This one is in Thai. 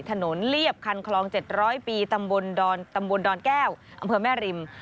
ถนนเลียบคันคลอง๗๐๐ปีตำบลดอนแก้วอำเภอแม่ริม